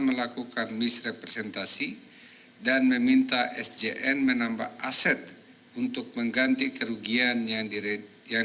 melakukan misrepresentasi dan meminta sjn menambah aset untuk mengganti kerugian yang diri yang